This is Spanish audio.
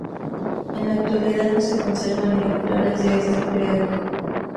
En la actualidad no se conservan ejemplares de este periódico.